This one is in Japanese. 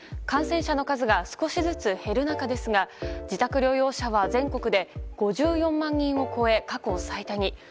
感染者の数が少しずつ減る中ですが自宅療養者は全国で５４万人を超え過去最多に。